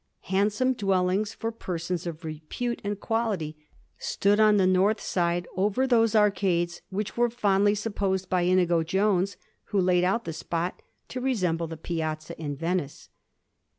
Handsome dwellings for persons of repute and quality stood on the north side over those arcades which were fondly supposed by Inigo Jones, who laid out the spot, to resemble the Piazza in Venice.